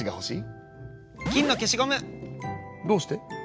「どうして？